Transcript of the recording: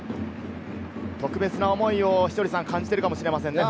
特別な思いを稀哲さん、感じてるかもしれませんね。